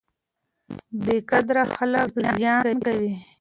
بې قدره خلک زیان کوي.